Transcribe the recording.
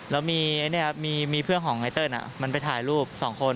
แล้วมีเพื่อนของไนเติ้ลมันไปถ่ายรูป๒คน